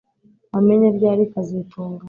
Wamenye ryari kazitunga